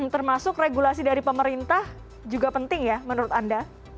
termasuk regulasi dari pemerintah juga penting ya menurut anda